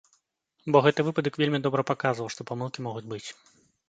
Бо гэты выпадак вельмі добра паказваў, што памылкі могуць быць.